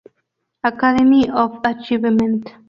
Academy of Achievement.